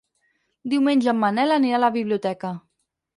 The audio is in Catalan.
Diumenge en Manel anirà a la biblioteca.